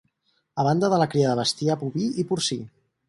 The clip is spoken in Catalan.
A banda de la cria de bestiar boví i porcí.